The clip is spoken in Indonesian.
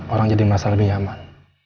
orang jadi merasa lebih nyaman